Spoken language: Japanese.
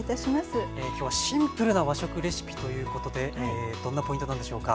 きょうはシンプルな和食レシピということでどんなポイントなんでしょうか？